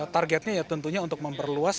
targetnya ya tentunya untuk memperluas